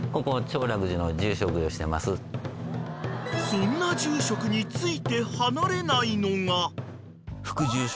［そんな住職について離れないのが］